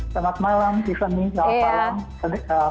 selamat malam tiffany selamat malam